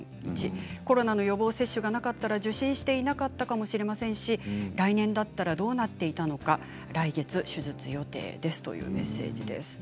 コロナの予防接種がなかったら受診していなかったかもしれませんし、来年だったらどうなっていたのか来月手術予定ですというメッセージです。